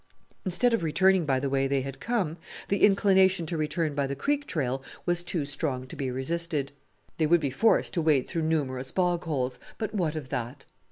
Instead of returning by the way they had come, the inclination to return by the creek trail was too strong to be resisted. They would be forced to wade through numerous bog holes; but what of that?